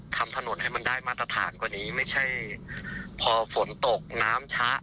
ทำถนนให้มันได้มาตรฐานกว่านี้ไม่ใช่พอฝนตกน้ำช้า